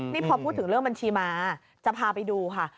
นี่พอพูดถึงเรื่องบัญชีมาจะพาไปดูค่ะ